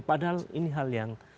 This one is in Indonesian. padahal ini hal yang